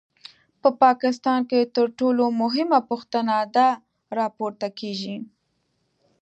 په پاکستان کې تر ټولو مهمه پوښتنه دا راپورته کېږي.